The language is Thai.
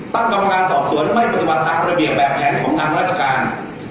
ตั้งกำลังงานสอบสวนให้ปัจจุบัตรภาระเบียบแบบแหลงของทางราชการ